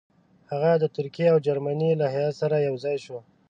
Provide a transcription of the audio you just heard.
هغه د ترکیې او جرمني له هیات سره یو ځای شو.